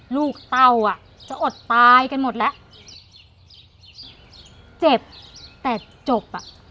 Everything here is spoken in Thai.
ลูกเต้าอ่ะจะอดตายกันหมดแล้วเจ็บแต่จบอ่ะ